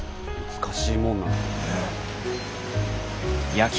難しいもんなんですね。